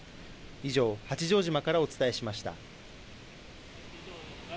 以上、八丈島からお伝えしました。